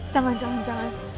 jangan jangan jangan